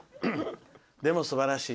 でも、すばらしい。